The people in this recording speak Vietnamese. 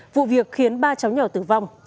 vụ việc khiến ba chóng nhỏ tử vong